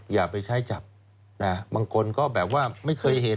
อย่าไปใช้จับนะบางคนก็แบบว่าไม่เคยเห็น